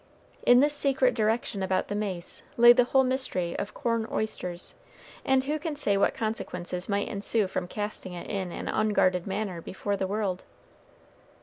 In this secret direction about the mace lay the whole mystery of corn oysters; and who can say what consequences might ensue from casting it in an unguarded manner before the world?